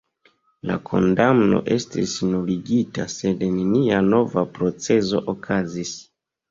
La kondamno estis nuligita, sed nenia nova procezo okazis.